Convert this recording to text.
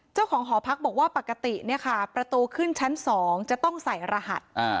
เจ้าของหอพักบอกว่าปกติเนี่ยค่ะประตูขึ้นชั้น๒จะต้องใส่รหัส